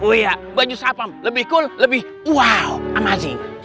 oh iya baju sapam lebih cool lebih wow amazing